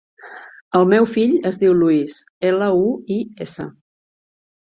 El meu fill es diu Luis: ela, u, i, essa.